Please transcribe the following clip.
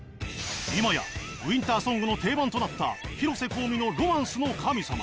今やウインターソングの定番となった広瀬香美の「ロマンスの神様」